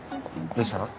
どうしたの？